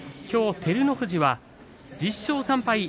きょう照ノ富士は１０勝３敗